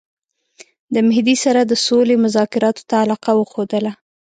د مهدي سره د سولي مذاکراتو ته علاقه وښودله.